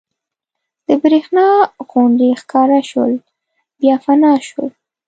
د برېښنا غوندې ښکاره شول بیا فنا شول.